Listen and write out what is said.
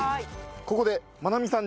ここでまなみさん